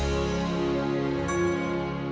bisa banget tau gak